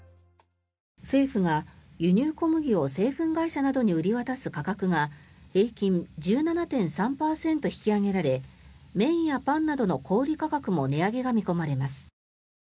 政府が輸入小麦を製粉会社などに売り渡す価格が平均１７．３％引き上げられ麺やパンなどの小売価格も値上げが見込まれます。